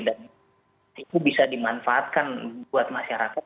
dan itu bisa dimanfaatkan buat masyarakat